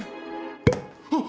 あっ！